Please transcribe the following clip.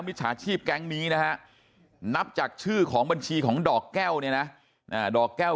จฉาชีพแก๊งนี้นะฮะนับจากชื่อของบัญชีของดอกแก้วเนี่ยนะดอกแก้ว